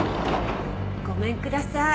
ごめんください。